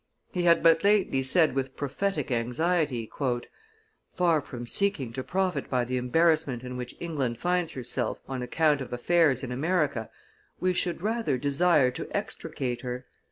He had but lately said with prophetic anxiety: "Far from seeking to profit by the embarrassment in which England finds herself on account of affairs in America, we should rather desire to extricate her.